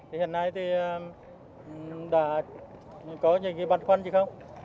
hiện nay thì đã có những bản khuân gì không